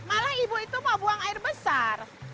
malah ibu itu mau buang air besar